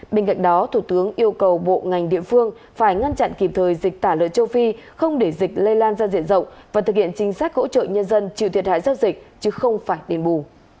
bên cạnh đó thủ tướng yêu cầu bộ ngành địa phương phải ngăn chặn kịp thời dịch tả lợn châu phi không để dịch lây lan ra diện rộng và thực hiện chính sách hỗ trợ nhân dân chịu thiệt hại do dịch chứ không phải đền bù